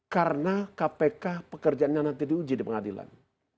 karena kpk pekerjaannya nanti diuji di pengadilan